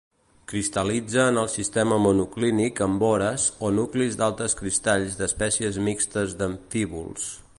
Cristal·litza en el sistema monoclínic en vores o nuclis d'altres cristalls d'espècies mixtes d'amfíbols.